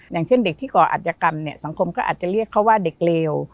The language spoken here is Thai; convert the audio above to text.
อย่างเช่นเด็กที่ก่ออัตยกรรมเนี่ยสังคมก็อาจจะเรียกเขาว่าเด็กเลว